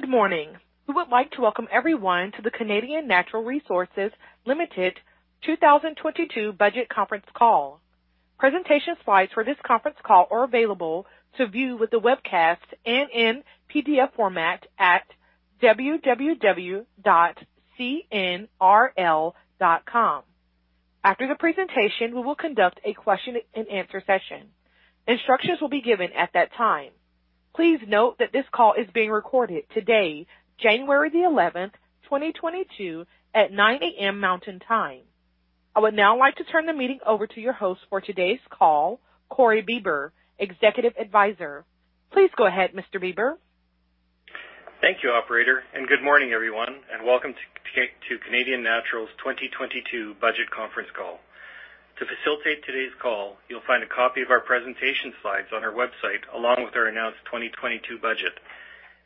Good morning. We would like to Welcome Everyone to the Canadian Natural Resources Limited 2022 Budget Conference Call. Presentation slides for this conference call are available to view with the webcast and in PDF format at cnrl.com. After the presentation, we will conduct a question and answer session. Instructions will be given at that time. Please note that this call is being recorded today, January 11, 2022 at 9 A.M. Mountain Time. I would now like to turn the meeting over to your host for today's call, Corey Bieber, Executive Advisor. Please go ahead, Mr. Bieber. Thank you, operator, and good morning, everyone, and Welcome to Canadian Natural's 2022 Budget Conference Call. To facilitate today's call, you'll find a copy of our presentation slides on our website, along with our announced 2022 budget.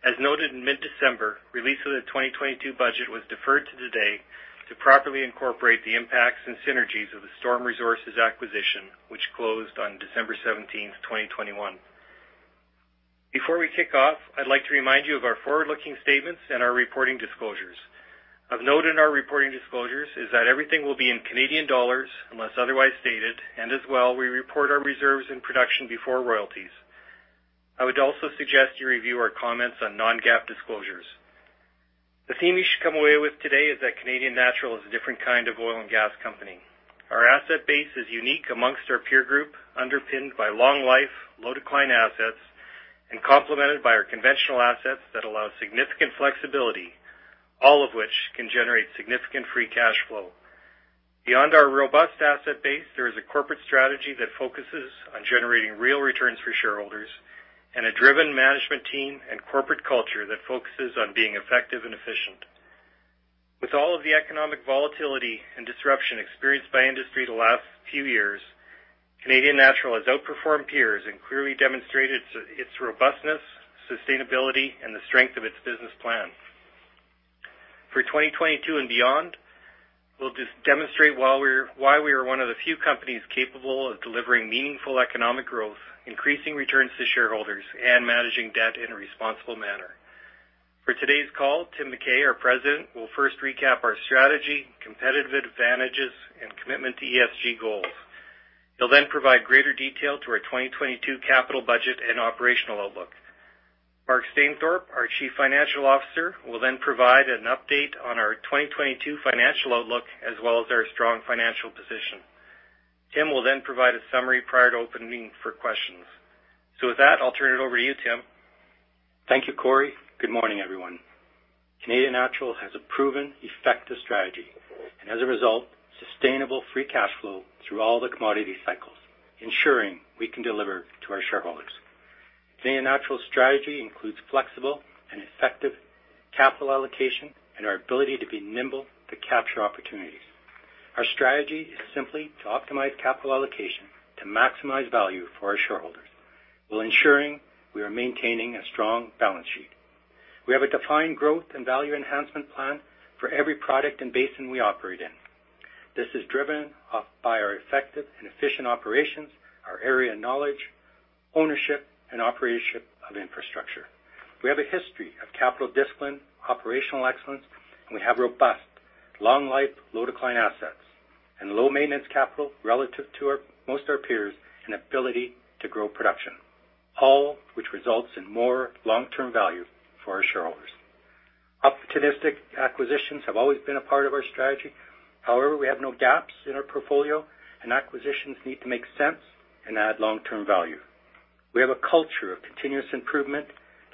As noted in mid-December, release of the 2022 budget was deferred to today to properly incorporate the impacts and synergies of the Storm Resources acquisition, which closed on December 17, 2021. Before we kick off, I'd like to remind you of our forward-looking statements and our reporting disclosures. Of note in our reporting disclosures is that everything will be in Canadian dollars unless otherwise stated, and as well, we report our reserves in production before royalties. I would also suggest you review our comments on non-GAAP disclosures. The theme you should come away with today is that Canadian Natural is a different kind of oil and gas company. Our asset base is unique among our peer group, underpinned by long life, low decline assets, and complemented by our conventional assets that allow significant flexibility, all of which can generate significant free cash flow. Beyond our robust asset base, there is a corporate strategy that focuses on generating real returns for shareholders and a driven management team and corporate culture that focuses on being effective and efficient. With all of the economic volatility and disruption experienced by the industry the last few years, Canadian Natural has outperformed peers and clearly demonstrated its robustness, sustainability, and the strength of its business plan. For 2022 and beyond, we'll demonstrate why we are one of the few companies capable of delivering meaningful economic growth, increasing returns to shareholders, and managing debt in a responsible manner. For today's call, Tim McKay, our President, will first recap our strategy, competitive advantages, and commitment to ESG goals. He'll then provide greater detail to our 2022 capital budget and operational outlook. Mark Stainthorpe, our Chief Financial Officer, will then provide an update on our 2022 financial outlook as well as our strong financial position. Tim will then provide a summary prior to opening for questions. With that, I'll turn it over to you, Tim. Thank you, Corey. Good morning, everyone. Canadian Natural has a proven effective strategy, and as a result, sustainable free cash flow through all the commodity cycles, ensuring we can deliver to our shareholders. Canadian Natural strategy includes flexible and effective capital allocation and our ability to be nimble to capture opportunities. Our strategy is simply to optimize capital allocation to maximize value for our shareholders, while ensuring we are maintaining a strong balance sheet. We have a defined growth and value enhancement plan for every product and basin we operate in. This is driven by our effective and efficient operations, our area of knowledge, ownership, and operation of infrastructure. We have a history of capital discipline, operational excellence, and we have robust, long life, low decline assets and low maintenance capital relative to our... Most of our peers, and ability to grow production, all of which results in more long-term value for our shareholders. Opportunistic acquisitions have always been a part of our strategy. However, we have no gaps in our portfolio, and acquisitions need to make sense and add long-term value. We have a culture of continuous improvement,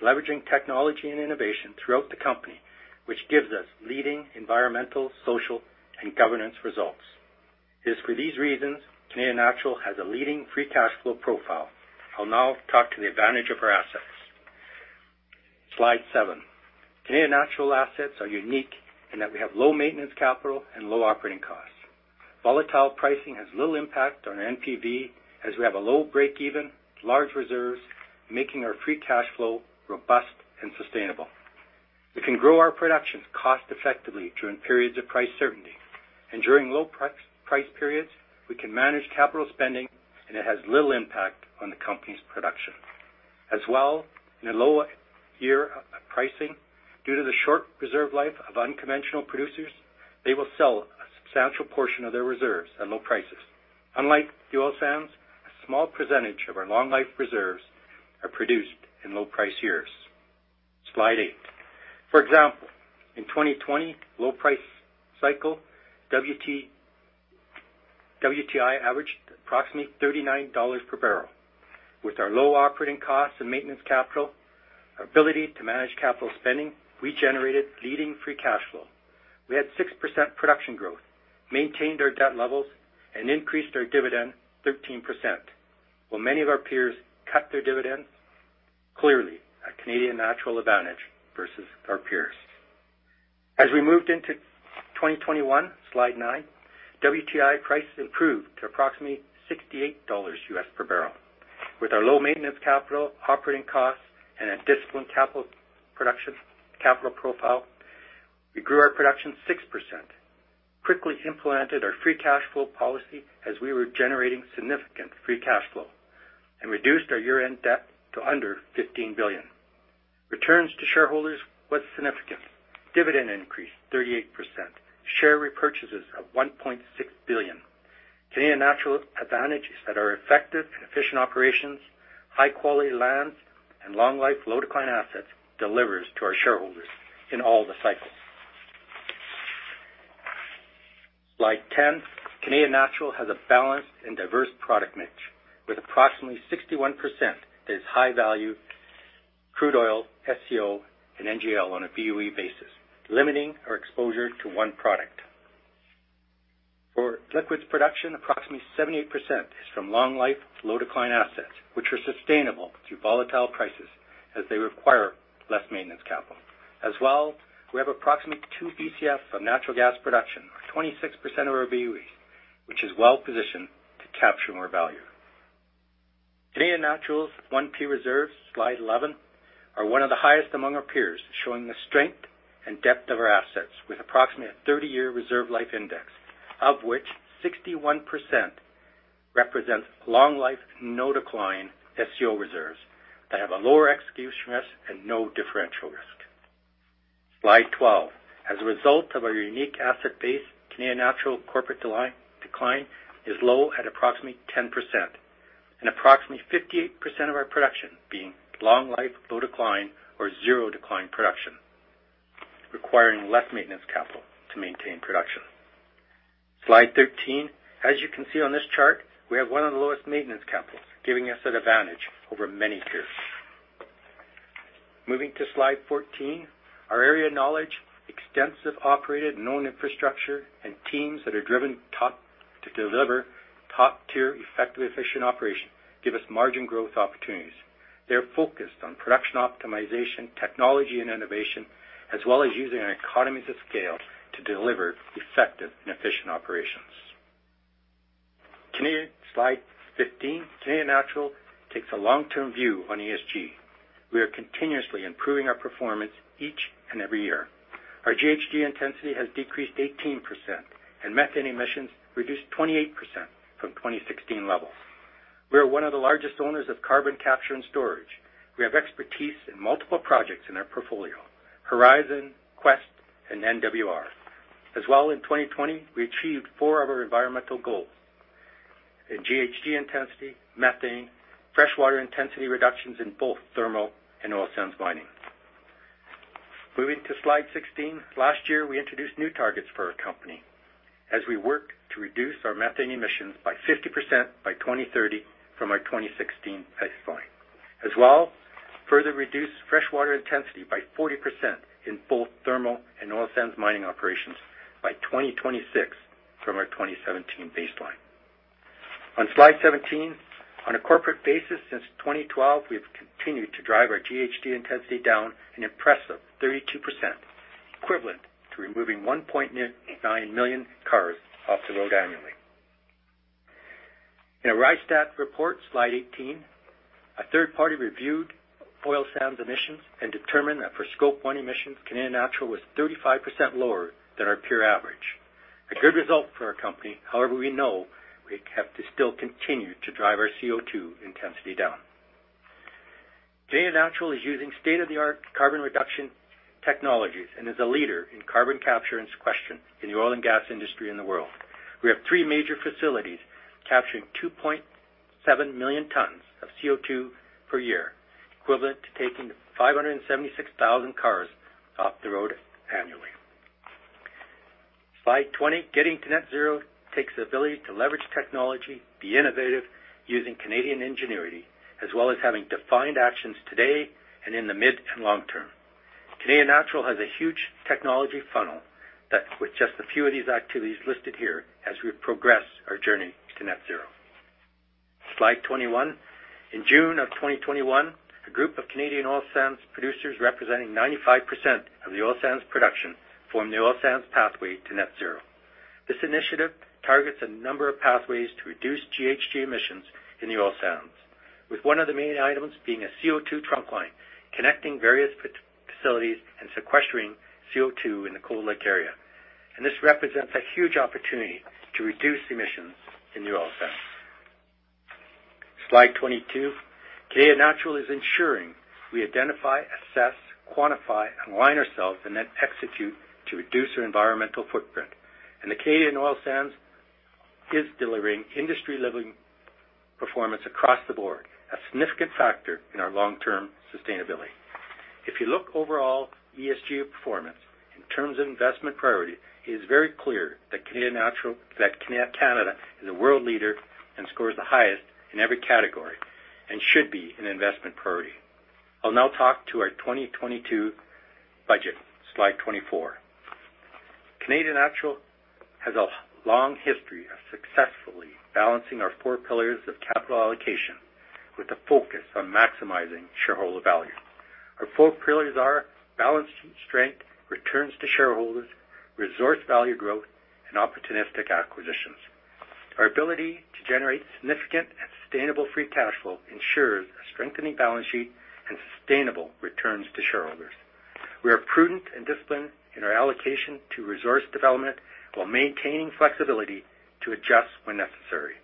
leveraging technology and innovation throughout the company, which gives us leading environmental, social, and governance results. It is for these reasons Canadian Natural has a leading free cash flow profile. I'll now talk to the advantage of our assets. Slide seven. Canadian Natural assets are unique in that we have low maintenance capital and low operating costs. Volatile pricing has little impact on our NPV, as we have a low break-even, large reserves, making our free cash flow robust and sustainable. We can grow our production cost-effectively during periods of price certainty. During low price periods, we can manage capital spending, and it has little impact on the company's production. In a low-price year, due to the short reserve life of unconventional producers, they will sell a substantial portion of their reserves at low prices. Unlike oil sands, a small percentage of our long-life reserves are produced in low price years. Slide eight. For example, in 2020, low price cycle, WTI averaged approximately 39 dollars per barrel. With our low operating costs and maintenance capital, ability to manage capital spending, we generated leading free cash flow. We had 6% production growth, maintained our debt levels, and increased our dividend 13%, while many of our peers cut their dividends. Clearly, a Canadian Natural advantage versus our peers. As we moved into 2021, Slide nine, WTI prices improved to approximately $68 US per barrel. With our low maintenance capital, operating costs, and a disciplined capital profile, we grew our production 6%. Quickly implemented our free cash flow policy as we were generating significant free cash flow and reduced our year-end debt to under 15 billion. Returns to shareholders was significant. Dividend increased 38%. Share repurchases of 1.6 billion Canadian dollars. Canadian Natural advantages that are effective and efficient operations, high quality lands, and long life low decline assets delivers to our shareholders in all the cycles. Slide 10. Canadian Natural has a balanced and diverse product mix, with approximately 61% is high value crude oil, SCO, and NGL on a BOE basis, limiting our exposure to one product. For liquids production, approximately 78% is from long life, low decline assets, which are sustainable through volatile prices as they require less maintenance capital. As well, we have approximately 2 Bcf of natural gas production, or 26% of our BOE, which is well-positioned to capture more value. Canadian Natural's 1P reserves, slide 11, are one of the highest among our peers, showing the strength and depth of our assets with approximately a 30-year reserve life index, of which 61% represent long life, no decline SCO reserves that have a lower execution risk and no differential risk. Slide 12. As a result of our unique asset base, Canadian Natural corporate decline is low at approximately 10% and approximately 58% of our production being long life, low decline, or zero decline production, requiring less maintenance capital to maintain production. Slide 13. As you can see on this chart, we have one of the lowest maintenance capitals, giving us an advantage over many peers. Moving to slide 14. Our area knowledge, extensive operated known infrastructure, and teams that are driven to deliver top-tier effective, efficient operation give us margin growth opportunities. They are focused on production optimization, technology and innovation, as well as using our economies of scale to deliver effective and efficient operations. Slide 15. Canadian Natural takes a long-term view on ESG. We are continuously improving our performance each and every year. Our GHG intensity has decreased 18% and methane emissions reduced 28% from 2016 levels. We are one of the largest owners of carbon capture and storage. We have expertise in multiple projects in our portfolio, Horizon, Quest, and NWR. As well, in 2020, we achieved four of our environmental goals in GHG intensity, methane, fresh water intensity reductions in both thermal and oil sands mining. Moving to slide 16. Last year, we introduced new targets for our company as we worked to reduce our methane emissions by 50% by 2030 from our 2016 baseline, further reduce fresh water intensity by 40% in both thermal and oil sands mining operations by 2026 from our 2017 baseline. On slide 17, on a corporate basis since 2012, we have continued to drive our GHG intensity down an impressive 32%, equivalent to removing 1.9 million cars off the road annually. In a Rystad report, slide 18, a third party reviewed oil sands emissions and determined that for scope one emissions, Canadian Natural was 35% lower than our peer average. A good result for our company. However, we know we have to still continue to drive our CO2 intensity down. Canadian Natural is using state-of-the-art carbon reduction technologies and is a leader in carbon capture and sequestration in the oil and gas industry in the world. We have three major facilities capturing 2.7 million tons of CO2 per year, equivalent to taking 576,000 cars off the road annually. Slide 20, getting to net zero takes the ability to leverage technology, be innovative using Canadian ingenuity, as well as having defined actions today and in the mid and long term. Canadian Natural has a huge technology funnel that with just a few of these activities listed here as we progress our journey to net zero. Slide 21. In June of 2021, a group of Canadian oil sands producers representing 95% of the oil sands production formed the Oil Sands Pathways to Net Zero. This initiative targets a number of pathways to reduce GHG emissions in the oil sands, with one of the main items being a CO2 trunk line connecting various facilities and sequestering CO2 in the Cold Lake area. This represents a huge opportunity to reduce emissions in the oil sands. Slide 22. Canadian Natural is ensuring we identify, assess, quantify, align ourselves, and then execute to reduce our environmental footprint. The Canadian Oil Sands is delivering industry-leading performance across the board, a significant factor in our long-term sustainability. If you look overall ESG performance in terms of investment priority, it is very clear that Canadian Natural, that Canada is a world leader and scores the highest in every category and should be an investment priority. I'll now talk to our 2022 budget. Slide 24. Canadian Natural has a long history of successfully balancing our four pillars of capital allocation with a focus on maximizing shareholder value. Our four pillars are balance sheet strength, returns to shareholders, resource value growth, and opportunistic acquisitions. Our ability to generate significant and sustainable free cash flow ensures a strengthening balance sheet and sustainable returns to shareholders. We are prudent and disciplined in our allocation to resource development while maintaining flexibility to adjust when necessary.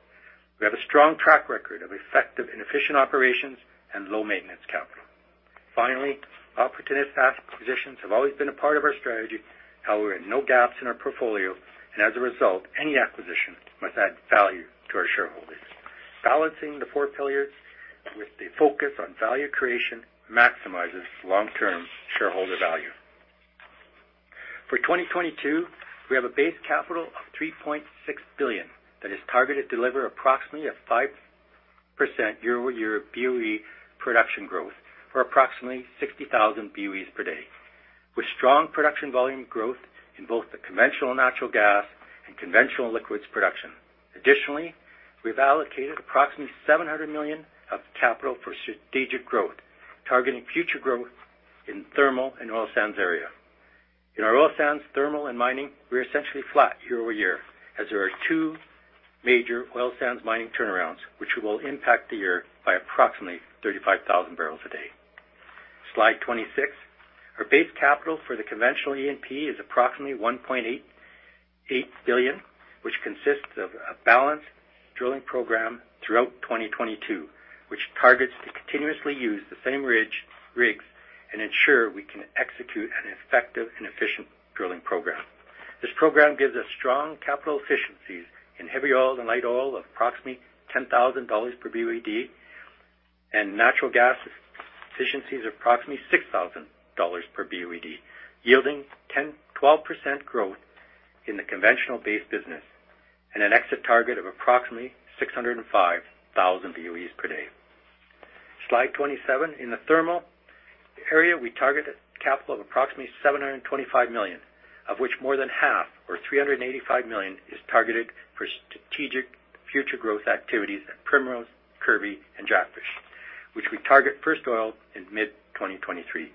We have a strong track record of effective and efficient operations and low maintenance capital. Finally, opportunistic acquisitions have always been a part of our strategy, how we have no gaps in our portfolio, and as a result, any acquisition must add value to our shareholders. Balancing the four pillars with the focus on value creation maximizes long-term shareholder value. For 2022, we have a base capital of 3.6 billion that is targeted to deliver approximately a 5% year-over-year BOE production growth for approximately 60,000 BOEs per day, with strong production volume growth in both the conventional natural gas and conventional liquids production. Additionally, we've allocated approximately 700 million of capital for strategic growth, targeting future growth in thermal and oil sands area. In our oil sands, thermal, and mining, we're essentially flat year-over-year as there are two major oil sands mining turnarounds, which will impact the year by approximately 35,000 barrels a day. Slide 26. Our base capital for the conventional E&P is approximately 1.88 billion, which consists of a balanced drilling program throughout 2022, which targets to continuously use the same rigs and ensure we can execute an effective and efficient drilling program. This program gives us strong capital efficiencies in heavy oil and light oil of approximately 10,000 dollars per BOED, and natural gas efficiencies of approximately 6,000 dollars per BOED, yielding 10%-12% growth in the conventional base business and an exit target of approximately 605,000 BOEs per day. Slide 27. In the thermal area, we target a capital of approximately 725 million, of which more than half or 385 million is targeted for strategic future growth activities at Primrose, Kirby, and Jackfish, which we target first oil in mid-2023.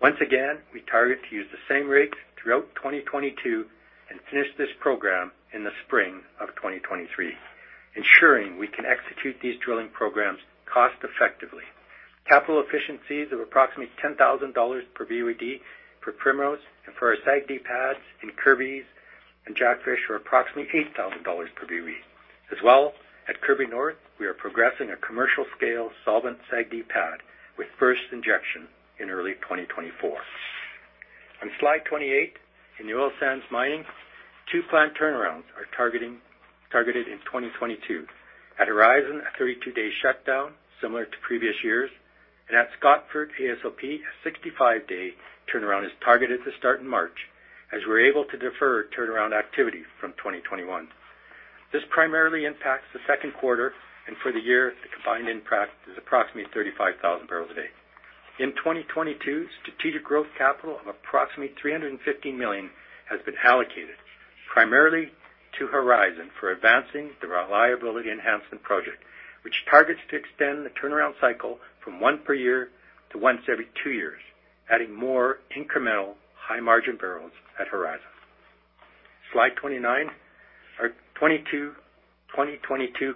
Once again, we target to use the same rates throughout 2022 and finish this program in the spring of 2023, ensuring we can execute these drilling programs cost effectively. Capital efficiencies of approximately 10,000 dollars per BOED for Primrose and for our SAGD pads in Kirby and Jackfish are approximately 8,000 dollars per BOE. As well, at Kirby North, we are progressing a commercial scale solvent SAGD pad with first injection in early 2024. On slide 28, in the oil sands mining, two plant turnarounds are targeted in 2022. At Horizon, a 32-day shutdown similar to previous years. At Scotford AOSP, a 65-day turnaround is targeted to start in March, as we're able to defer turnaround activity from 2021. This primarily impacts the second quarter, and for the year, the combined impact is approximately 35,000 barrels a day. In 2022, strategic growth capital of approximately 350 million has been allocated primarily to Horizon for advancing the reliability enhancement project, which targets to extend the turnaround cycle from one per year to once every two years, adding more incremental high-margin barrels at Horizon. Slide 29. Our 2022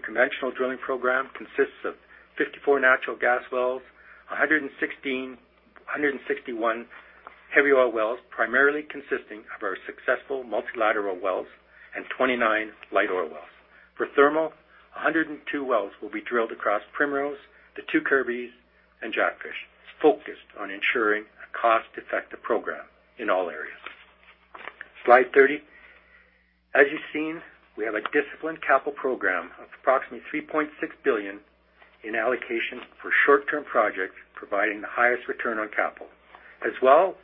conventional drilling program consists of 54 natural gas wells, 161 heavy oil wells, primarily consisting of our successful multilateral wells and 29 light oil wells. For thermal, 102 wells will be drilled across Primrose, the two Kirbys and Jackfish, focused on ensuring a cost-effective program in all areas. Slide 30. As you've seen, we have a disciplined capital program of approximately 3.6 billion in allocation for short-term projects, providing the highest return on capital.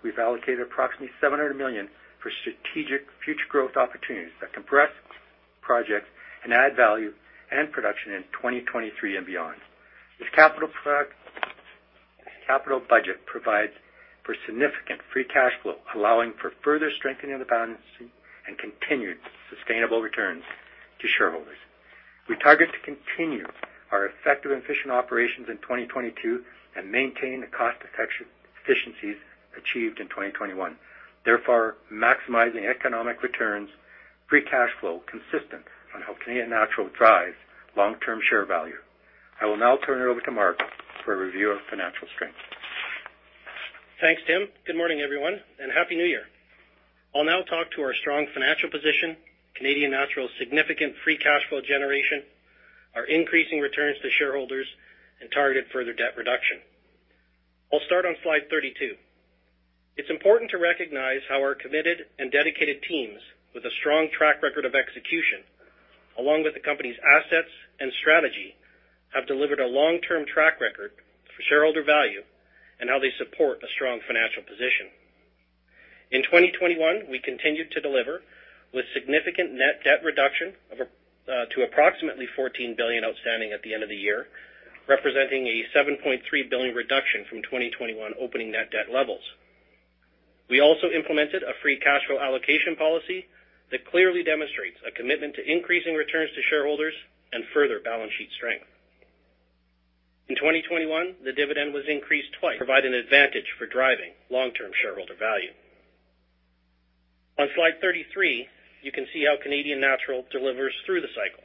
We've allocated approximately 700 million for strategic future growth opportunities that comprise projects and add value and production in 2023 and beyond. This capital program budget provides for significant free cash flow, allowing for further strengthening of the balance sheet and continued sustainable returns to shareholders. We target to continue our effective and efficient operations in 2022 and maintain the cost efficiencies achieved in 2021, therefore maximizing economic returns, free cash flow, consistent with how Canadian Natural drives long-term share value. I will now turn it over to Mark for a review of financial strength. Thanks, Tim. Good morning, everyone, and happy new year. I'll now talk to our strong financial position, Canadian Natural's significant free cash flow generation, our increasing returns to shareholders, and targeted further debt reduction. I'll start on slide 32. It's important to recognize how our committed and dedicated teams with a strong track record of execution, along with the company's assets and strategy, have delivered a long-term track record for shareholder value and how they support a strong financial position. In 2021, we continued to deliver with significant net debt reduction to approximately 14 billion outstanding at the end of the year, representing a 7.3 billion reduction from 2021 opening net debt levels. We also implemented a free cash flow allocation policy that clearly demonstrates a commitment to increasing returns to shareholders and further balance sheet strength. In 2021, the dividend was increased twice, providing an advantage for driving long-term shareholder value. On slide 33, you can see how Canadian Natural delivers through the cycle.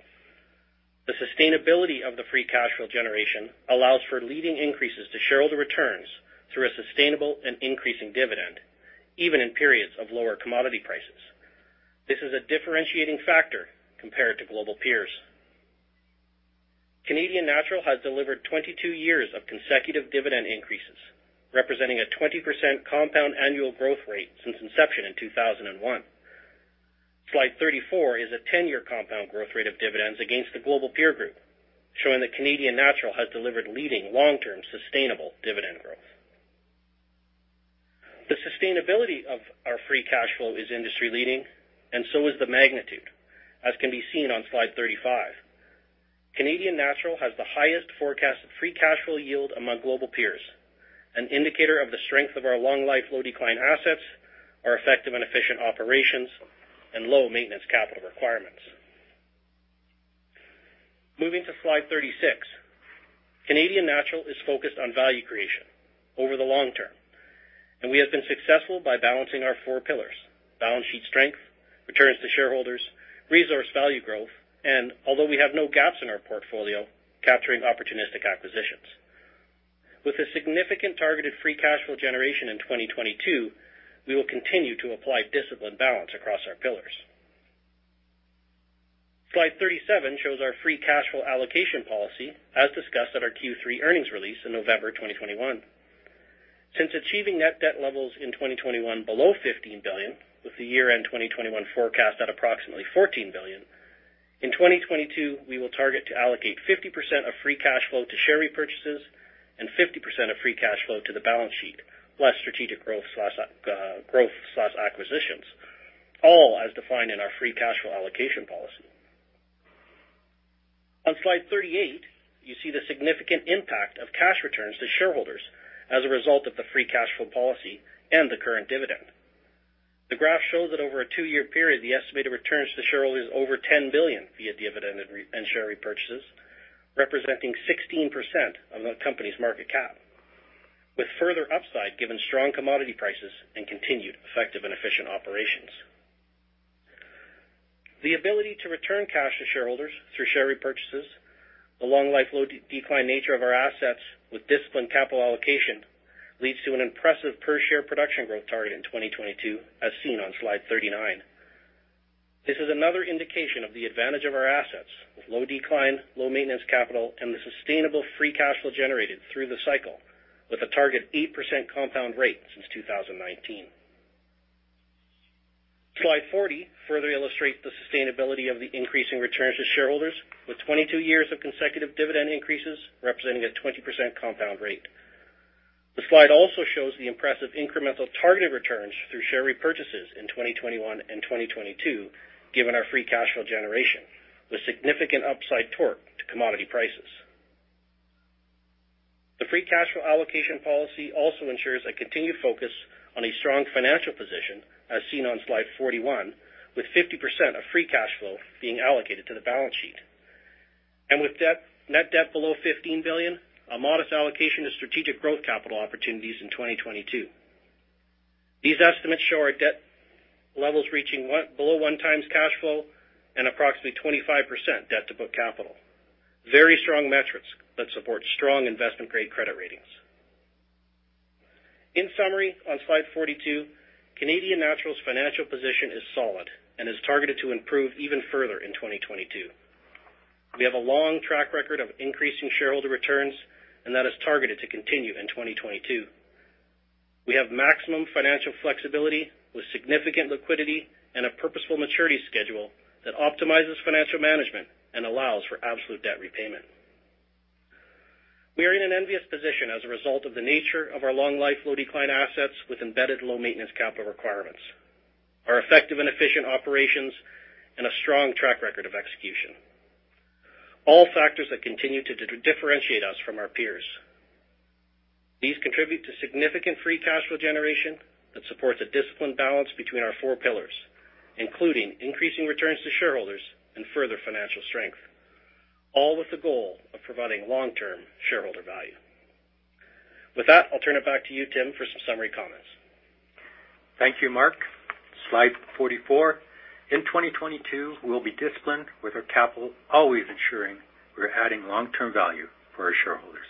The sustainability of the free cash flow generation allows for leading increases to shareholder returns through a sustainable and increasing dividend, even in periods of lower commodity prices. This is a differentiating factor compared to global peers. Canadian Natural has delivered 22 years of consecutive dividend increases, representing a 20% compound annual growth rate since inception in 2001. Slide 34 is a 10-year compound growth rate of dividends against the global peer group, showing that Canadian Natural has delivered leading long-term sustainable dividend growth. The sustainability of our free cash flow is industry-leading, and so is the magnitude, as can be seen on slide 35. Canadian Natural has the highest forecasted free cash flow yield among global peers, an indicator of the strength of our long life, low decline assets, our effective and efficient operations, and low maintenance capital requirements. Moving to slide 36. Canadian Natural is focused on value creation over the long term, and we have been successful by balancing our four pillars, balance sheet strength, returns to shareholders, resource value growth, and although we have no gaps in our portfolio, capturing opportunistic acquisitions. With a significant targeted free cash flow generation in 2022, we will continue to apply disciplined balance across our pillars. Slide 37 shows our free cash flow allocation policy, as discussed at our Q3 earnings release in November 2021. Since achieving net debt levels in 2021 below 15 billion, with the year-end 2021 forecast at approximately 14 billion. In 2022, we will target to allocate 50% of free cash flow to share repurchases and 50% of free cash flow to the balance sheet, plus strategic growth slash acquisitions, all as defined in our free cash flow allocation policy. On slide 38, you see the significant impact of cash returns to shareholders as a result of the free cash flow policy and the current dividend. The graph shows that over a two-year period, the estimated returns to shareholder is over 10 billion via dividend and share repurchases, representing 16% of the company's market cap, with further upside given strong commodity prices and continued effective and efficient operations. The ability to return cash to shareholders through share repurchases, the long life low decline nature of our assets with disciplined capital allocation, leads to an impressive per share production growth target in 2022, as seen on slide 39. This is another indication of the advantage of our assets with low decline, low maintenance capital, and the sustainable free cash flow generated through the cycle with a target 8% compound rate since 2019. Slide 40 further illustrates the sustainability of the increasing returns to shareholders with 22 years of consecutive dividend increases representing a 20% compound rate. The slide also shows the impressive incremental targeted returns through share repurchases in 2021 and 2022, given our free cash flow generation, with significant upside torque to commodity prices. The free cash flow allocation policy also ensures a continued focus on a strong financial position, as seen on slide 41, with 50% of free cash flow being allocated to the balance sheet. With debt, net debt below 15 billion, a modest allocation to strategic growth capital opportunities in 2022. These estimates show our debt levels reaching below one times cash flow and approximately 25% debt to book capital. Very strong metrics that support strong investment-grade credit ratings. In summary, on slide 42, Canadian Natural's financial position is solid and is targeted to improve even further in 2022. We have a long track record of increasing shareholder returns, and that is targeted to continue in 2022. We have maximum financial flexibility with significant liquidity and a purposeful maturity schedule that optimizes financial management and allows for absolute debt repayment. We are in an envious position as a result of the nature of our long life, low decline assets with embedded low maintenance capital requirements, our effective and efficient operations, and a strong track record of execution. All factors that continue to differentiate us from our peers. These contribute to significant free cash flow generation that supports a disciplined balance between our four pillars, including increasing returns to shareholders and further financial strength, all with the goal of providing long-term shareholder value. With that, I'll turn it back to you, Tim, for some summary comments. Thank you, Mark. Slide 44. In 2022, we'll be disciplined with our capital, always ensuring we're adding long-term value for our shareholders.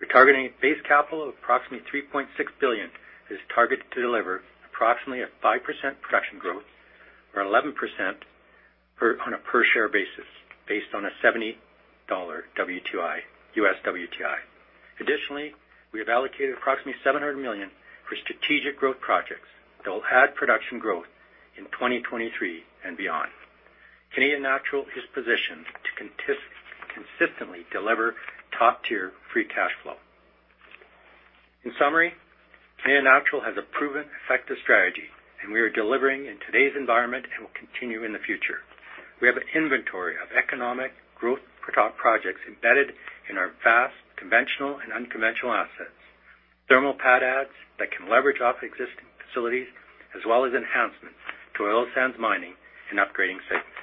We're targeting a base capital of approximately 3.6 billion. It is targeted to deliver approximately 5% production growth or 11% on a per share basis based on 70 dollar WTI, U.S. WTI. Additionally, we have allocated approximately 700 million for strategic growth projects that will add production growth in 2023 and beyond. Canadian Natural is positioned to consistently deliver top-tier free cash flow. In summary, Canadian Natural has a proven effective strategy, and we are delivering in today's environment and will continue in the future. We have an inventory of economic growth pro-projects embedded in our vast conventional and unconventional assets, thermal pad adds that can leverage off existing facilities as well as enhancements to oil sands mining and upgrading sites.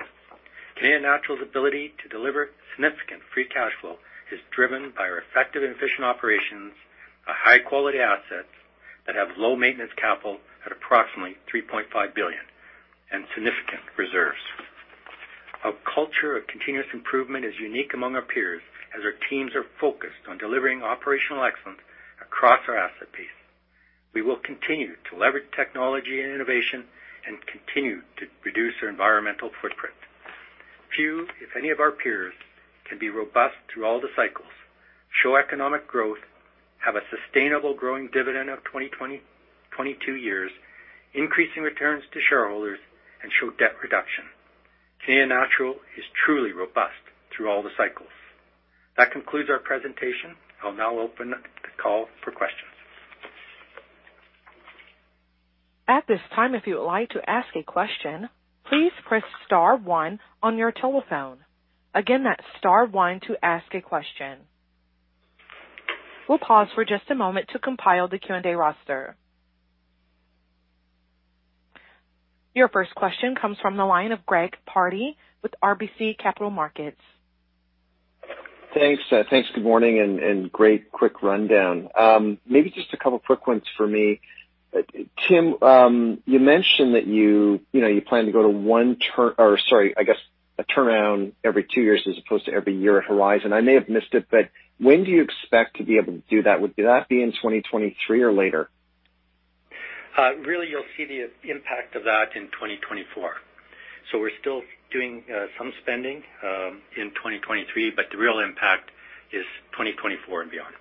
Canadian Natural's ability to deliver significant free cash flow is driven by our effective and efficient operations, a high quality assets that have low maintenance capital at approximately 3.5 billion and significant reserves. Our culture of continuous improvement is unique among our peers as our teams are focused on delivering operational excellence across our asset base. We will continue to leverage technology and innovation and continue to reduce our environmental footprint. Few, if any, of our peers can be robust through all the cycles, show economic growth, have a sustainable growing dividend of 22 years, increasing returns to shareholders, and show debt reduction. Canadian Natural is truly robust through all the cycles. That concludes our presentation. I'll now open up the call for questions. At this time, if you would like to ask a question, please press star one on your telephone. Again, that's star one to ask a question. We'll pause for just a moment to compile the Q and A roster. Your first question comes from the line of Greg Pardy with RBC Capital Markets. Thanks. Good morning, great quick rundown. Maybe just a couple of quick ones for me. Tim, you mentioned that you plan to go to a turnaround every two years as opposed to every year at Horizon. I may have missed it, but when do you expect to be able to do that? Would that be in 2023 or later? Really, you'll see the impact of that in 2024. We're still doing some spending in 2023, but the real impact is 2024 and beyond.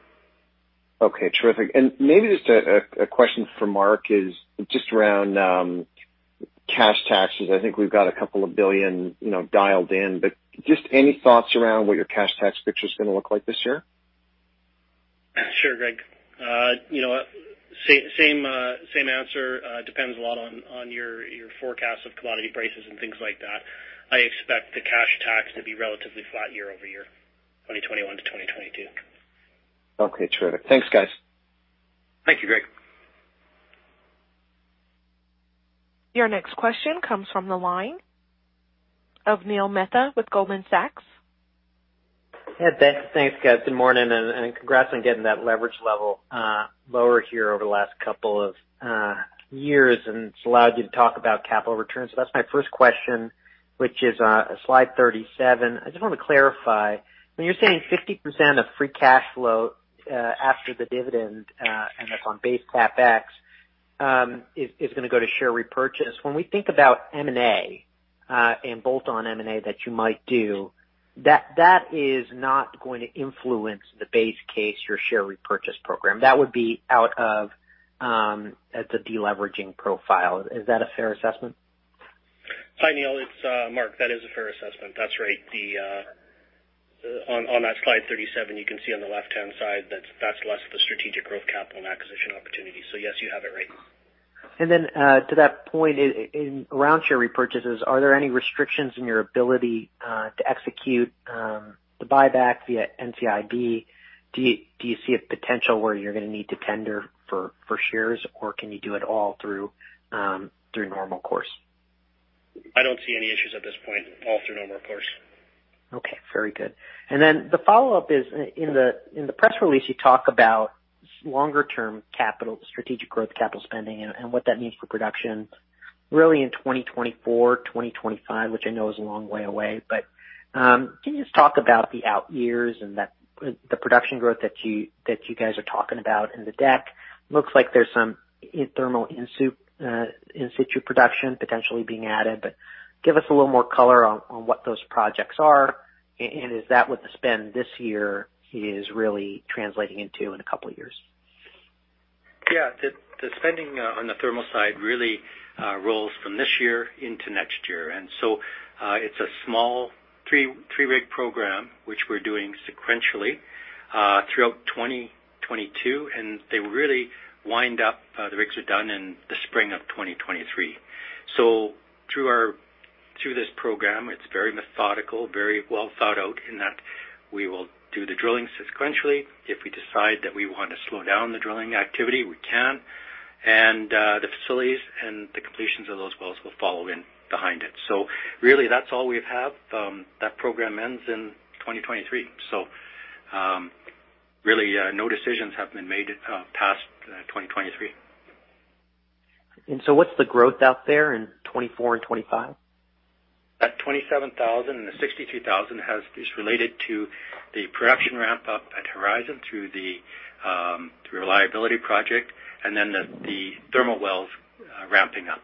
Okay, terrific. Maybe just a question for Mark is just around cash taxes. I think we've got 2 billion, you know, dialed in, but just any thoughts around what your cash tax picture is gonna look like this year? Sure, Greg. You know what? Same answer. Depends a lot on your forecast of commodity prices and things like that. I expect the cash tax to be relatively flat year-over-year, 2021 to 2022. Okay, terrific. Thanks, guys. Thank you, Greg. Your next question comes from the line of Neil Mehta with Goldman Sachs. Yeah, thanks. Thanks, guys. Good morning, and congrats on getting that leverage level lower here over the last couple of years, and it's allowed you to talk about capital returns. That's my first question, which is slide 37. I just want to clarify. When you're saying 50% of free cash flow after the dividend, and that's on base CapEx, is gonna go to share repurchase. When we think about M&A and bolt-on M&A that you might do, that is not going to influence the base case, your share repurchase program. That would be out of as a deleveraging profile. Is that a fair assessment? Hi, Neil. It's Mark. That is a fair assessment. That's right. The one on that slide 37, you can see on the left-hand side that that's less of the strategic growth capital and acquisition opportunity. Yes, you have it right. To that point, in around share repurchases, are there any restrictions in your ability to execute the buyback via NCIB? Do you see a potential where you're gonna need to tender for shares, or can you do it all through normal course? I don't see any issues at this point, all through normal course. Okay, very good. Then the follow-up is in the press release, you talk about longer-term capital, strategic growth capital spending and what that means for production really in 2024, 2025, which I know is a long way away. Can you just talk about the out years and that the production growth that you guys are talking about in the deck? Looks like there's some in thermal, in-situ production potentially being added, but give us a little more color on what those projects are and is that what the spend this year is really translating into in a couple of years. Yeah. The spending on the thermal side really rolls from this year into next year. It's a small three-rig program which we're doing sequentially throughout 2022, and they really wind up, the rigs are done in the spring of 2023. Through this program, it's very methodical, very well thought out in that we will do the drilling sequentially. If we decide that we wanna slow down the drilling activity, we can. The facilities and the completions of those wells will follow in behind it. Really that's all we have. That program ends in 2023. Really, no decisions have been made past 2023. What's the growth out there in 2024 and 2025? That 27,000 and the 62,000 is related to the production ramp up at Horizon through reliability project and then the thermal wells ramping up.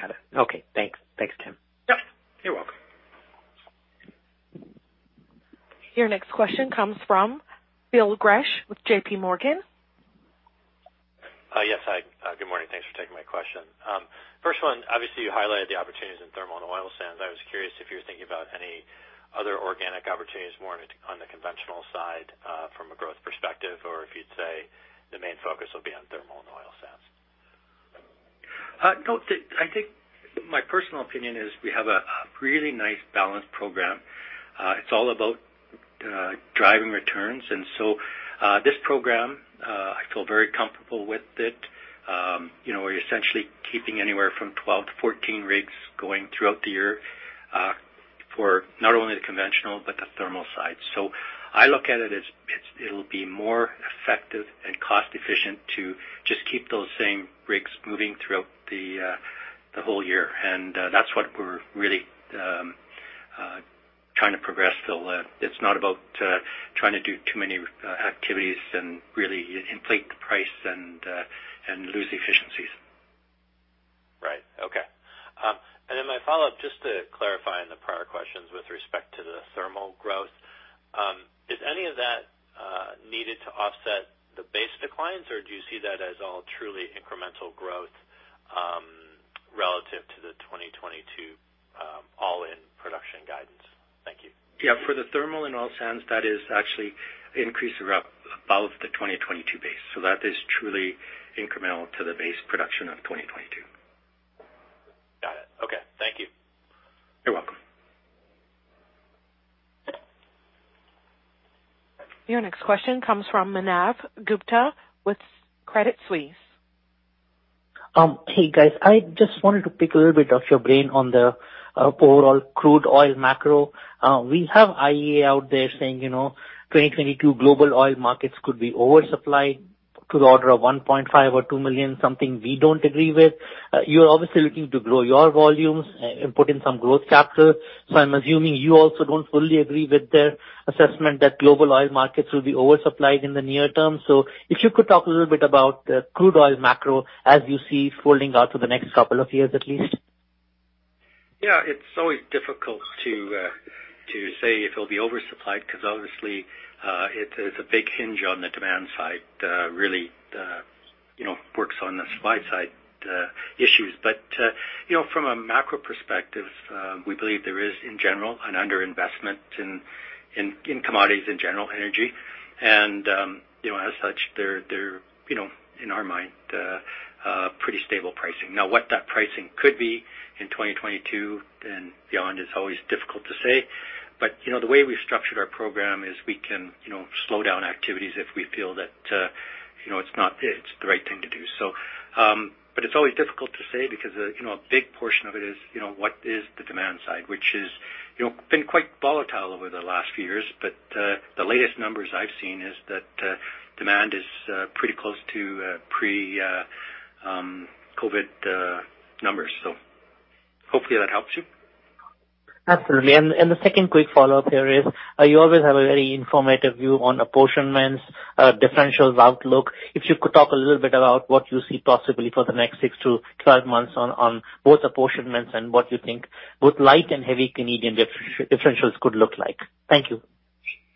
Got it. Okay. Thanks. Thanks, Tim. Yeah, you're welcome. Your next question comes from Phil Gresh with JP Morgan. Yes, hi. Good morning. Thanks for taking my question. First one, obviously, you highlighted the opportunities in thermal and oil sands. I was curious if you were thinking about any other organic opportunities more on the conventional side, from a growth perspective, or if you'd say the main focus will be on thermal and oil sands? No, I think my personal opinion is we have a really nice balanced program. It's all about driving returns. This program, I feel very comfortable with it. You know, we're essentially keeping anywhere from 12 to 14 rigs going throughout the year, for not only the conventional but the thermal side. I look at it as it'll be more effective and cost efficient to just keep those same rigs moving throughout the whole year. That's what we're really trying to progress. It's not about trying to do too many activities and really inflate the price and lose efficiencies. Right. Okay. My follow-up, just to clarify in the prior questions with respect to the thermal growth, is any of that needed to offset the base declines, or do you see that as all truly incremental growth, relative to the 2022 all-in production guidance? Thank you. Yeah, for the thermal in oil sands, that is actually increase of above the 2022 base. That is truly incremental to the base production of 2022. Got it. Okay. Thank you. You're welcome. Your next question comes from Manav Gupta with Credit Suisse. Hey, guys. I just wanted to pick a little bit of your brain on the overall crude oil macro. We have IEA out there saying, you know, 2022 global oil markets could be oversupplied to the order of 1.5 or 2 million, something we don't agree with. You're obviously looking to grow your volumes and put in some growth capital. I'm assuming you also don't fully agree with their assessment that global oil markets will be oversupplied in the near term. If you could talk a little bit about the crude oil macro as you see folding out to the next couple of years, at least. Yeah, it's always difficult to say if it'll be oversupplied because obviously, it is a big hinge on the demand side that really, you know, works on the supply side, issues. You know, from a macro perspective, we believe there is in general an underinvestment in commodities in general, energy. You know, as such, they're in our mind pretty stable pricing. Now, what that pricing could be in 2022 and beyond is always difficult to say. You know, the way we've structured our program is we can slow down activities if we feel that it's not the right thing to do. It's always difficult to say because, you know, a big portion of it is, you know, what is the demand side, which is, you know, been quite volatile over the last few years. The latest numbers I've seen is that demand is pretty close to pre-COVID numbers. Hopefully that helps you. Absolutely. The second quick follow-up here is, you always have a very informative view on apportionments, differentials outlook. If you could talk a little bit about what you see possibly for the next six to 12 months on both apportionments and what you think both light and heavy Canadian differentials could look like. Thank you.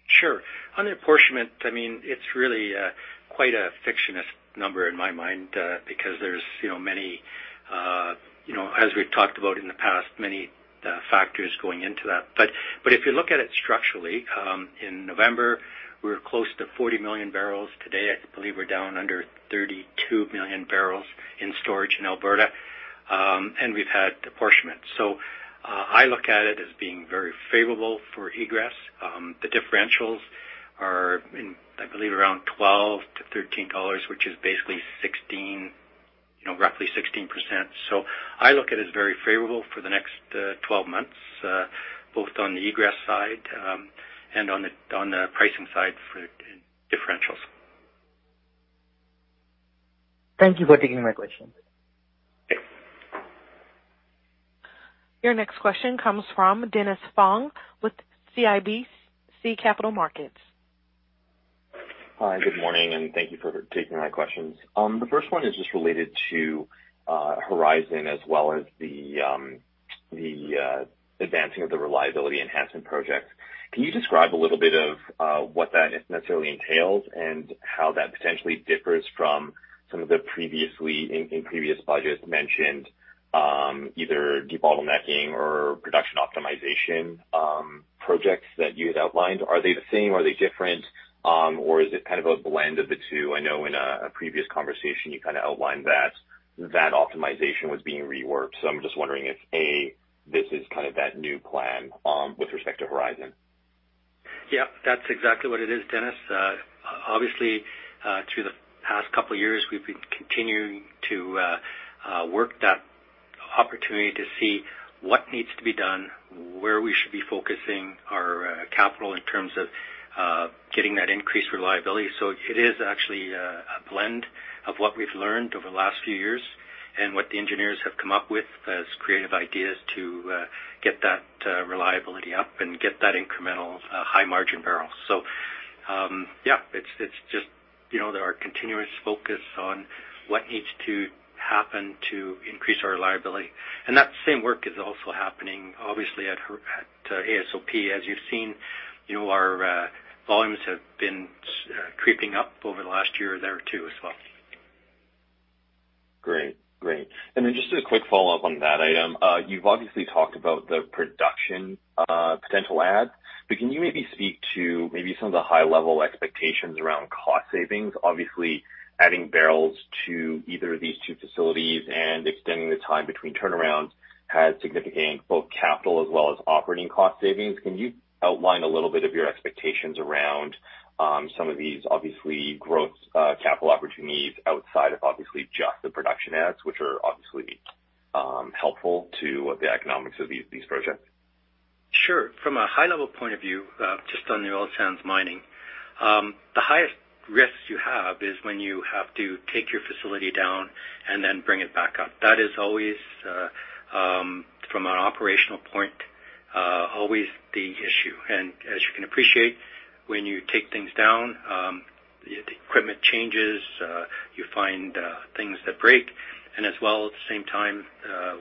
Sure. On apportionment, I mean, it's really quite a fictional number in my mind, because there's, you know, many, you know, as we've talked about in the past, many factors going into that. If you look at it structurally, in November, we were close to 40 million barrels. Today, I believe we're down under 32 million barrels in storage in Alberta, and we've had apportionment. I look at it as being very favorable for egress. The differentials are in, I believe, around 12- 13 dollars, which is basically 16, you know, roughly 16%. I look at it as very favorable for the next 12 months, both on the egress side, and on the pricing side for differentials. Thank you for taking my questions. Thanks. Your next question comes from Dennis Fong with CIBC Capital Markets. Hi. Good morning, and thank you for taking my questions. The first one is just related to Horizon as well as the advancing of the reliability enhancement projects. Can you describe a little bit of what that necessarily entails and how that potentially differs from some of the previous budgets mentioned, either debottlenecking or production optimization projects that you had outlined? Are they the same? Are they different? Or is it kind of a blend of the two? I know in a previous conversation you kind of outlined that that optimization was being reworked. I'm just wondering if, A, this is kind of that new plan with respect to Horizon. Yeah, that's exactly what it is, Dennis. Obviously, through the past couple of years, we've been continuing to work that opportunity to see what needs to be done, where we should be focusing our capital in terms of getting that increased reliability. It is actually a blend of what we've learned over the last few years and what the engineers have come up with as creative ideas to get that reliability up and get that incremental high margin barrel. Yeah, it's just, you know, there are continuous focus on what needs to happen to increase our reliability. That same work is also happening obviously here at AOSP. As you've seen, you know, our volumes have been creeping up over the last year or two as well. Great. Then just a quick follow-up on that item. You've obviously talked about the production, potential add, but can you maybe speak to maybe some of the high-level expectations around cost savings? Obviously, adding barrels to either of these two facilities and extending the time between turnarounds has significant both capital as well as operating cost savings. Can you outline a little bit of your expectations around, some of these obviously growth, capital opportunities outside of obviously just the production ads, which are obviously, helpful to the economics of these projects? Sure. From a high level point of view, just on the oil sands mining, the highest risks you have is when you have to take your facility down and then bring it back up. That is always, from an operational point, always the issue. As you can appreciate, when you take things down, the equipment changes, you find things that break. As well, at the same time,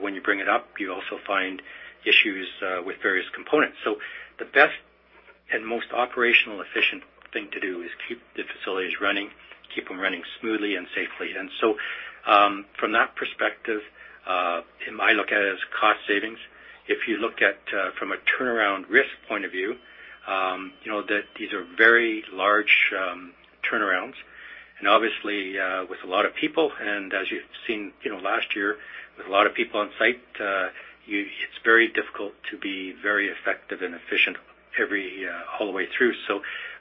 when you bring it up, you also find issues with various components. The best and most operational efficient thing to do is keep the facilities running, keep them running smoothly and safely. From that perspective, I look at it as cost savings. If you look at it from a turnaround risk point of view, you know that these are very large turnarounds. Obviously, with a lot of people, and as you've seen, you know, last year with a lot of people on site, It's very difficult to be very effective and efficient every all the way through.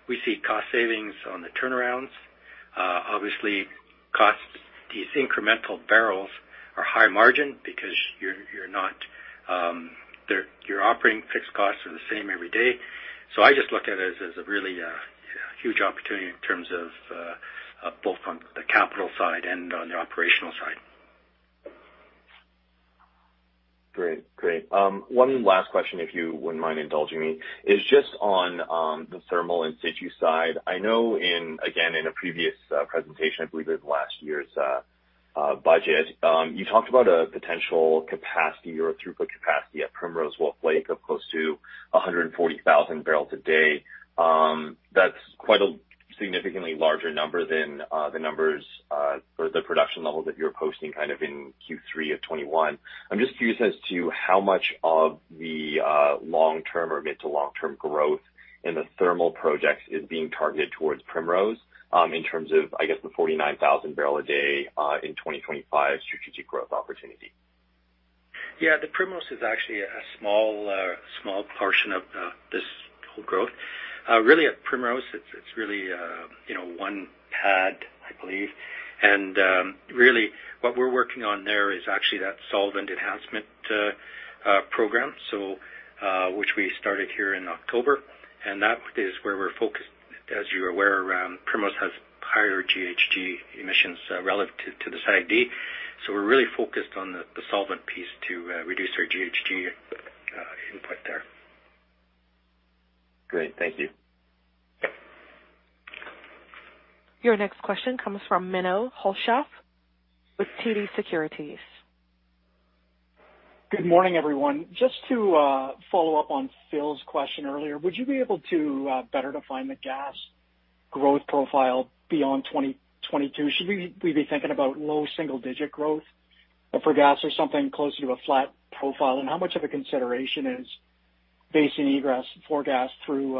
We see cost savings on the turnarounds. Obviously, These incremental barrels are high margin because you're not, your operating fixed costs are the same every day. I just look at it as a really huge opportunity in terms of both on the capital side and on the operational side. Great. One last question, if you wouldn't mind indulging me, is just on the thermal in-situ side. I know in, again, in a previous presentation, I believe it was last year's budget, you talked about a potential capacity or a throughput capacity at Primrose Wolf Lake of close to 140,000 barrels a day. That's quite a significantly larger number than the numbers or the production levels that you're posting kind of in Q3 of 2021. I'm just curious as to how much of the long-term or mid to long-term growth in the thermal projects is being targeted towards Primrose, in terms of, I guess, the 49,000 barrel a day in 2025 strategic growth opportunity. Yeah, the Primrose is actually a small portion of this whole growth. Really at Primrose, it's really, you know, one pad, I believe. Really what we're working on there is actually that solvent enhancement program, so which we started here in October, and that is where we're focused. As you're aware, Primrose has higher GHG emissions relative to the SAGD. We're really focused on the solvent piece to reduce our GHG input there. Great. Thank you. Your next question comes from Menno Hulshof with TD Securities. Good morning, everyone. Just to follow up on Phil's question earlier, would you be able to better define the gas growth profile beyond 2022? Should we be thinking about low single digit growth for gas or something closer to a flat profile? How much of a consideration is basin egress for gas through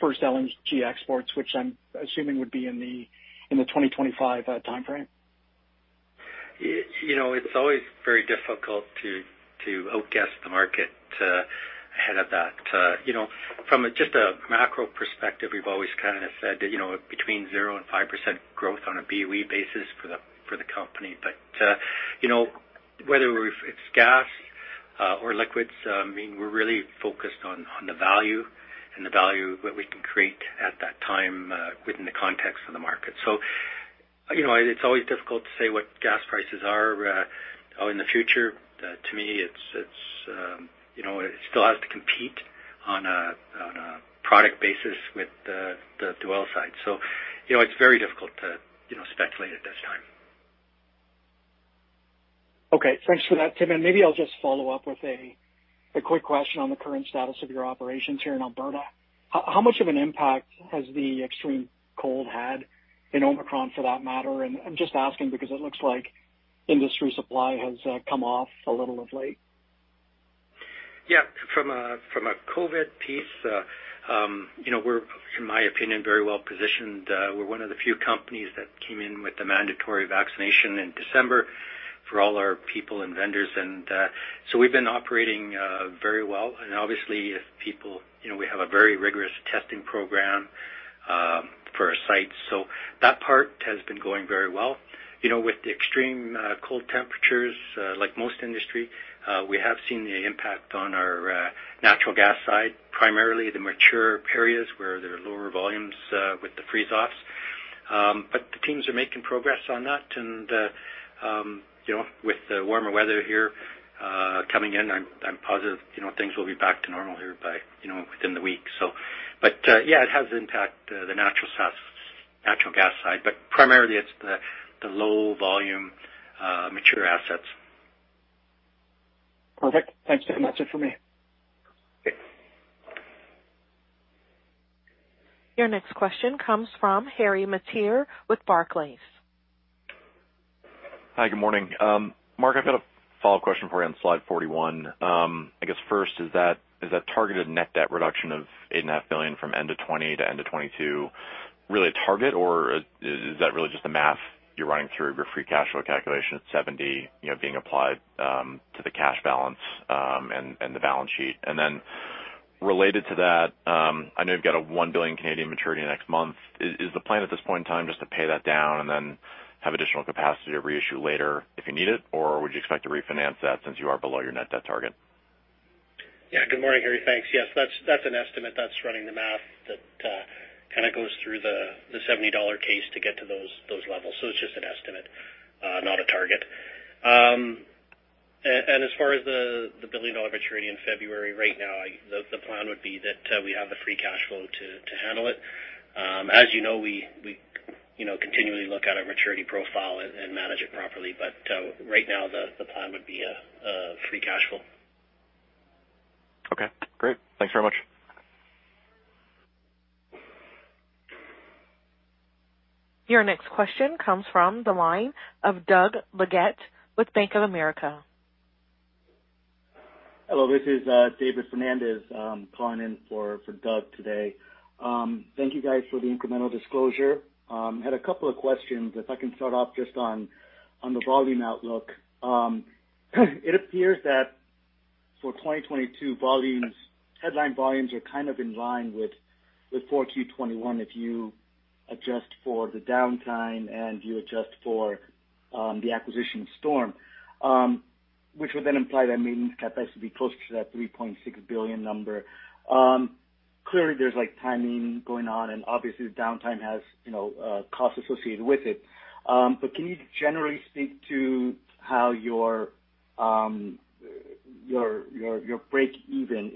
first LNG exports, which I'm assuming would be in the 2025 time frame? You know, it's always very difficult to outguess the market ahead of that. You know, from just a macro perspective, we've always kind of said that, you know, between 0% and 5% growth on a BOE basis for the company. You know, whether it's gas or liquids, I mean, we're really focused on the value and the value that we can create at that time within the context of the market. You know, it's always difficult to say what gas prices are in the future. To me, it's you know, it still has to compete on a product basis with the oil side. You know, it's very difficult to speculate at this time. Okay. Thanks for that, Tim. Maybe I'll just follow up with a quick question on the current status of your operations here in Alberta. How much of an impact has the extreme cold had, and Omicron for that matter? I'm just asking because it looks like industry supply has come off a little of late. From a COVID piece, you know, we're, in my opinion, very well positioned. We're one of the few companies that came in with the mandatory vaccination in December for all our people and vendors. We've been operating very well. Obviously, you know, we have a very rigorous testing program for our sites. That part has been going very well. You know, with the extreme cold temperatures, like most industry, we have seen the impact on our natural gas side, primarily the mature areas where there are lower volumes with the freeze offs, but the teams are making progress on that. You know, with the warmer weather here coming in, I'm positive, you know, things will be back to normal here by, you know, within the week. Yeah, it has impacted the natural gas side, but primarily it's the low volume mature assets. Perfect. Thanks, Tim. That's it for me. Okay. Your next question comes from Harry Mateer with Barclays. Hi, good morning. Mark, I've got a follow-up question for you on slide 41. I guess first, is that targeted net debt reduction of 8.5 Billion from end of 2020 to end of 2022? Really a target or is that really just the math you're running through your free cash flow calculation at 70 being applied to the cash balance and the balance sheet? Related to that, I know you've got a 1 billion Canadian dollars maturity next month. Is the plan at this point in time just to pay that down and then have additional capacity to reissue later if you need it? Or would you expect to refinance that since you are below your net debt target? Yeah. Good morning, Harry. Thanks. Yes. That's an estimate. That's running the math that kind of goes through the 70 dollar case to get to those levels. So it's just an estimate, not a target. As far as the 1 billion dollar maturity in February, right now, the plan would be that we have the free cash flow to handle it. As you know, we you know continually look at our maturity profile and manage it properly. Right now the plan would be free cash flow. Okay, great. Thanks very much. Your next question comes from the line of Doug Leggate with Bank of America. Hello, this is David Fernandez calling in for Doug today. Thank you guys for the incremental disclosure. I had a couple of questions, if I can start off just on the volume outlook. It appears that for 2022 volumes, headline volumes are kind of in line with 4Q 2021 if you adjust for the downtime and you adjust for the acquisition of Storm, which would then imply that maintenance CapEx would be closer to that 3.6 billion number. Clearly, there's like timing going on, and obviously the downtime has, you know, costs associated with it. But can you generally speak to how your breakeven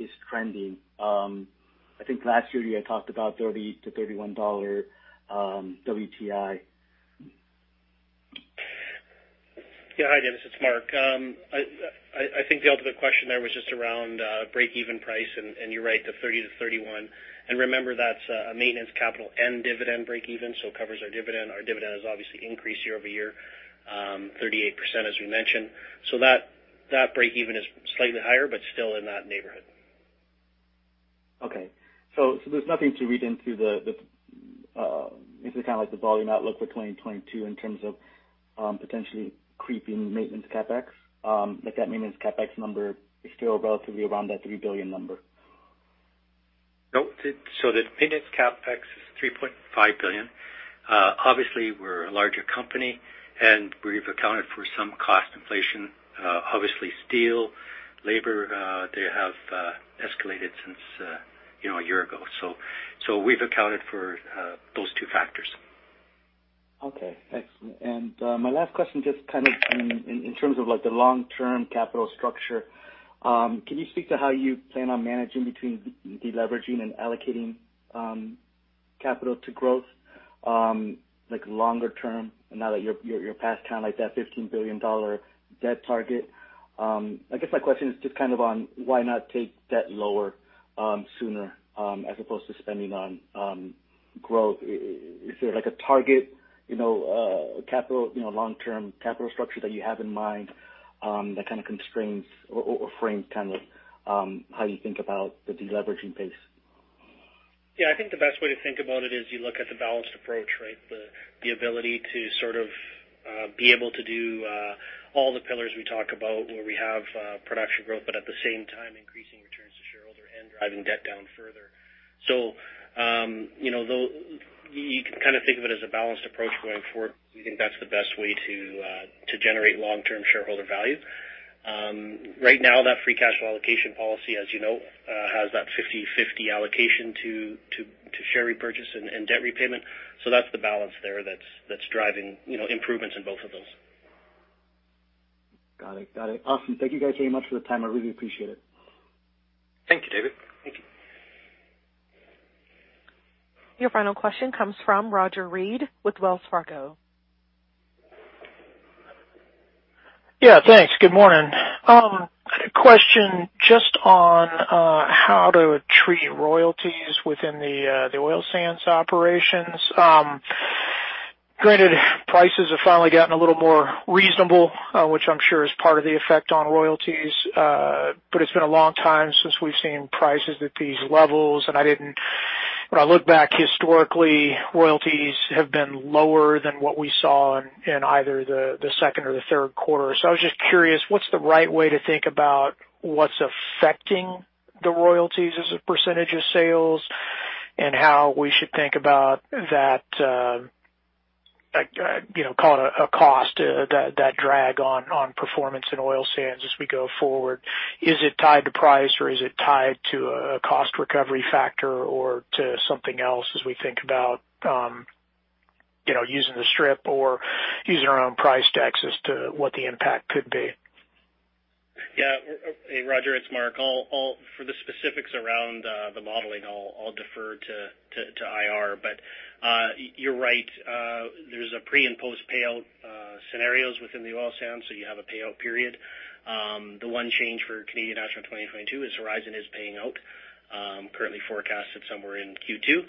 is trending? I think last year you had talked about 30-31 dollar WTI. Yeah. Hi, David, this is Mark. I think the ultimate question there was just around breakeven price, and you're right, the 30-31. Remember that's a maintenance capital and dividend breakeven, so it covers our dividend. Our dividend has obviously increased year-over-year 38% as we mentioned. That breakeven is slightly higher but still in that neighborhood. Okay. There's nothing to read into kind of like the volume outlook for 2022 in terms of potentially creeping maintenance CapEx? Like that maintenance CapEx number is still relatively around that 3 billion number? Nope. The maintenance CapEx is 3.5 billion. Obviously we're a larger company, and we've accounted for some cost inflation. Obviously steel, labor, they have escalated since you know a year ago. So we've accounted for those two factors. Okay. Excellent. My last question, just kind of in terms of like the long-term capital structure, can you speak to how you plan on managing between deleveraging and allocating, capital to growth, like longer term now that you're past kind of like that 15 billion dollar debt target? I guess my question is just kind of on why not take debt lower, sooner, as opposed to spending on growth. Is there like a target, you know, capital, you know, long-term capital structure that you have in mind, that kind of constrains or frames kind of, how you think about the deleveraging pace? Yeah. I think the best way to think about it is you look at the balanced approach, right? The ability to sort of be able to do all the pillars we talk about where we have production growth, but at the same time, increasing returns to shareholder and driving debt down further. You can kind of think of it as a balanced approach going forward. We think that's the best way to generate long-term shareholder value. Right now, that free cash flow allocation policy, as you know, has that 50/50 allocation to share repurchase and debt repayment. That's the balance there that's driving you know improvements in both of those. Got it. Awesome. Thank you guys very much for the time. I really appreciate it. Thank you, David. Thank you. Your final question comes from Roger Read with Wells Fargo. Yeah. Thanks. Good morning. Question just on how to treat royalties within the oil sands operations. Granted prices have finally gotten a little more reasonable, which I'm sure is part of the effect on royalties. But it's been a long time since we've seen prices at these levels, and when I look back historically, royalties have been lower than what we saw in either the second or the third quarter. I was just curious, what's the right way to think about what's affecting the royalties as a percentage of sales and how we should think about that, you know, call it a cost, that drag on performance in oil sands as we go forward? Is it tied to price or is it tied to a cost recovery factor or to something else as we think about, you know, using the strip or using our own price decks as to what the impact could be? Yeah. Hey, Roger, it's Mark. For the specifics around the modeling, I'll defer to IR. You're right. There's a pre and post payout scenarios within the oil sands, so you have a payout period. The one change for Canadian Natural 2022 is Horizon is paying out, currently forecasted somewhere in Q2.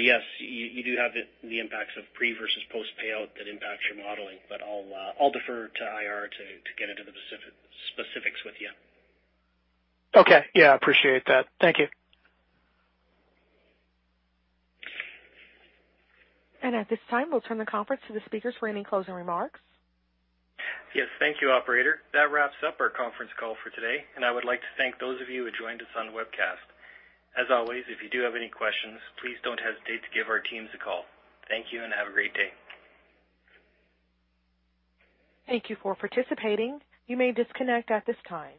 Yes, you do have the impacts of pre versus post payout that impacts your modeling. I'll defer to IR to get into the specifics with you. Okay. Yeah, I appreciate that. Thank you. At this time, we'll turn the conference to the speakers for any closing remarks. Yes. Thank you, operator. That wraps up our conference call for today, and I would like to thank those of you who joined us on the webcast. As always, if you do have any questions, please don't hesitate to give our teams a call. Thank you and have a great day. Thank you for participating. You may disconnect at this time.